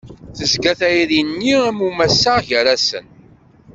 Tezga tayri-nni am umassaɣ gar-asen.